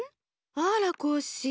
あらコッシー。